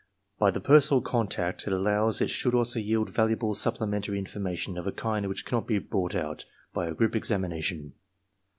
By the personal contact it allows it should also yield valuable sup plementary information of a kind which cannot be brought out by a group examination.